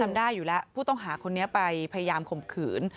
ได้อยู่แล้วผู้ต้องหาคนนี้ไปพยายามข่มขืน